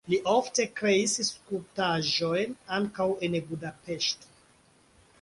Li ofte kreis skulptaĵojn ankaŭ en Budapeŝto.